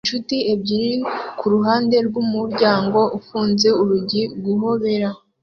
Inshuti ebyiri kuruhande rwumuryango ufunze urugi guhobera